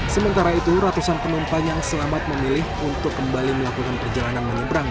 sementara itu ratusan penumpang yang selamat memilih untuk kembali melakukan perjalanan menyeberang